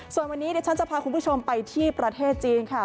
ส่วนวันนี้เดี๋ยวฉันจะพาคุณผู้ชมไปที่ประเทศจีนค่ะ